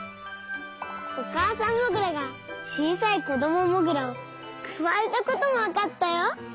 おかあさんモグラがちいさいこどもモグラをくわえたこともわかったよ。